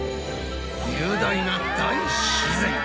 雄大な大自然。